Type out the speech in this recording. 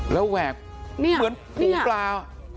แล้วแหวกเหมือนกุ้งปลา